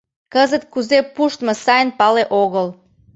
Кызыт кузе пуштмо сайын пале огыл.